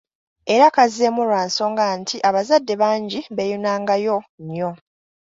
Era kazzeemu lwa nsonga nti abazadde bangi beeyunangayo nnyo.